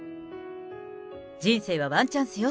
人生はワンチャンスよ。